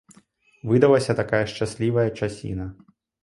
Выдалася такая шчаслівая часіна!